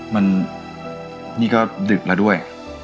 มันนี่ก็ดึกแล้วด้วย